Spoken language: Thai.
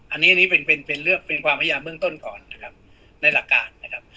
อันนี้อันนี้เป็นเป็นความพยายามเบื้องต้นก่อนนะครับในหลักการนะครับ